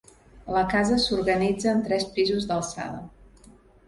La casa s'organitza en tres pisos d'alçada.